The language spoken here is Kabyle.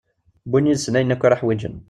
Iwin yid-sen ayen akk ara iḥwiǧen.